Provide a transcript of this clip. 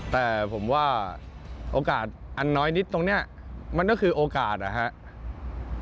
แต่ผมว่าโอกาสอันน้อยนิดตรงนี้มันก็คือโอกาสนะครับ